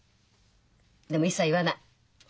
でも一切言わない。